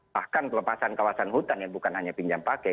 bahkan pelepasan kawasan hutan yang bukan hanya pinjam pakai